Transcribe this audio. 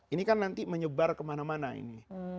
ini kan nanti menyebar kemana mana ini